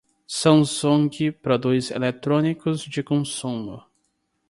Samsung produz eletrônicos de consumo.